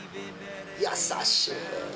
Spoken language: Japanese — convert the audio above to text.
優しい。